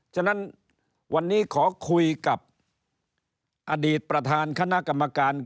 ฉะนั้นวันนี้ขอคุยกับอดีตประธานคณะกรรมการ